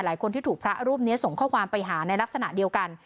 หลายคนที่ถูกพระรูปนี้ส่งข้อความไปหาในลักษณะเดียวกัน